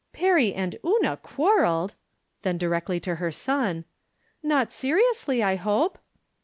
" Perry and Una quarreled !" Then directly to her son :" Not seriously, I hope